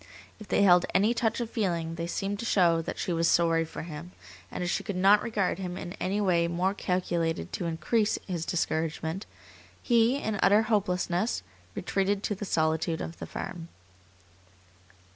If they held any touch of feeling they seemed to show that she was sorry for him, and as she could not regard him in any way more calculated to increase his discouragement, he, in utter hopelessness, retreated to the solitude of the farm.